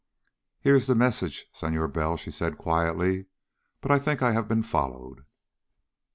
"Here is the message, Senhor Bell," she said quietly, "but I think I have been followed."